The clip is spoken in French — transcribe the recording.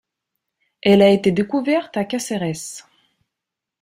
Elle a été découverte à Cáceres.